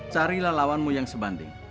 carilah lawanmu yang sebanding